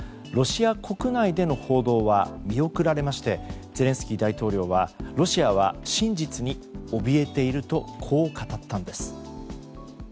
ロシア国内での報道は見送られましてゼレンスキー大統領はロシアは真実におびえているとこう語ったんです。